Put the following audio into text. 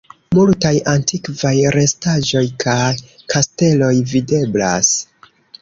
Multaj antikvaj restaĵoj kaj kasteloj videblas.